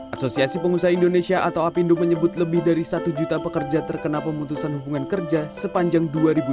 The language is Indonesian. asosiasi pengusaha indonesia atau apindo menyebut lebih dari satu juta pekerja terkena pemutusan hubungan kerja sepanjang dua ribu dua puluh